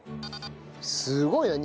すごいな。